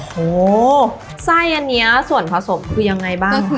โหไส้อันนี้ส่วนผสมคือยังไงบ้างคะ